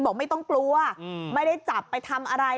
บอกไม่ต้องกลัวไม่ได้จับไปทำอะไร